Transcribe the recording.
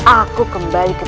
aku bisa menghasilkan